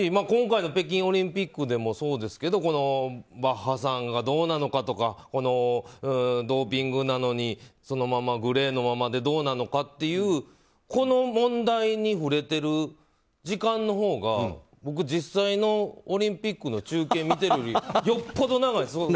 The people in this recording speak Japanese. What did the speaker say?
今回の北京オリンピックでもそうですけどバッハさんがどうなのかとかドーピングなのにグレーのままでどうなのかっていうこの問題に触れている時間のほうが僕、実際のオリンピックの中継を見てるよりよっぽど長いです。